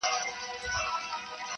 • یا مي لور په نکاح ومنه خپل ځان ته -